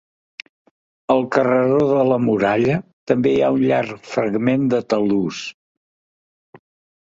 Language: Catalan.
Al carreró de la Muralla també hi ha un llarg fragment de talús.